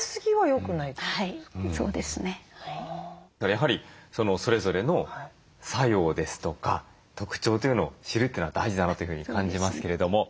やはりそれぞれの作用ですとか特徴というのを知るってのは大事だなというふうに感じますけれども。